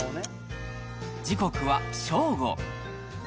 時刻は正午。